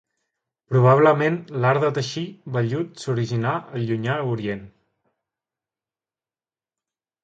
Probablement l'art de teixir vellut s'originà al Llunyà Orient.